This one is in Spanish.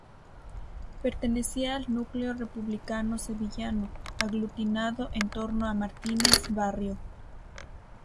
Pertenecía al núcleo republicano sevillano aglutinado en torno a Martínez Barrio.